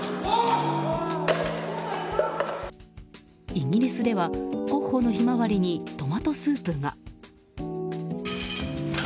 イギリスではゴッホの「ひまわり」にトマトスープが。